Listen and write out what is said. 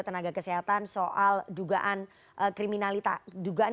tenaga kesehatan soal dugaan